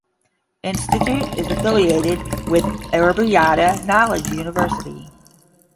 Institute is affiliated with Aryabhatta Knowledge University.